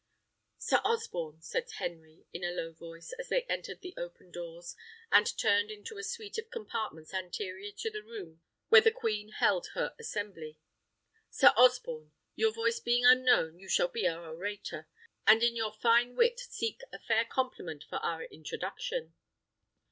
"Sir Osborne," said Henry, in a low voice, as they entered the open doors, and turned into a suite of apartments anterior to the room where the queen held her assembly "Sir Osborne, your voice being unknown, you shall be our orator, and in your fine wit seek a fair compliment for our introduction."